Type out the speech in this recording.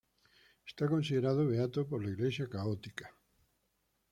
Es considerado beato por la Iglesia católica.